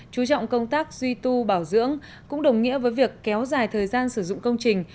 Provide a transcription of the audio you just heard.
chú trọng công tác duy tu bảo dưỡng cũng đồng nghĩa với việc kéo dài thời gian sử dụng công trình